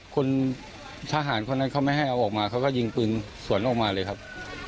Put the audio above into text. คนทหารคนนั้นเขาไม่ให้เอาออกมาเขาก็ยิงปืนสวนออกมาเลยครับ